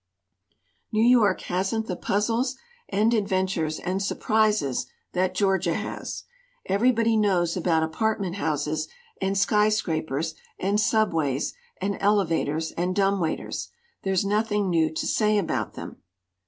"New York hasn't the puzzles and adventures and surprises that Georgia has. Everybody knows about apartment houses and skyscrapers and subways and elevators and dumb waiters there's nothing new to say about them.